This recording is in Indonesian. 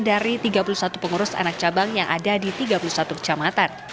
dari tiga puluh satu pengurus anak cabang yang ada di tiga puluh satu kecamatan